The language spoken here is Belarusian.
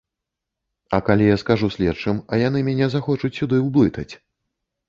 А калі я скажу следчым, а яны мяне захочуць сюды ўблытаць?